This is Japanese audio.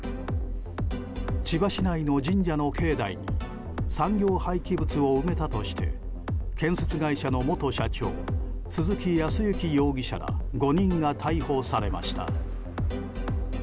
千葉市内の神社の境内に産業廃棄物を埋めたとして建設会社の元社長鈴木康之容疑者ら５人が逮捕されました。